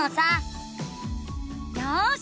よし！